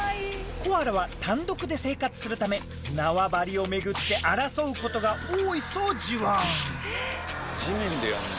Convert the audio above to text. コアラは単独で生活するため縄張を巡って争うことが多いそうじわ。